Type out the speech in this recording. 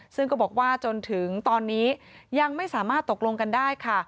ซึ่งก็บอกว่าจนถึงตอนนี้ยังไม่สามารถตกลงกันได้ค่ะ